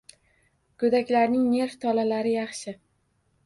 Goʻdaklarning nerv tolalari yaxshi